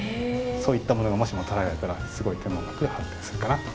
そういったものがもしも捉えられたらすごい天文学が発展するかなと。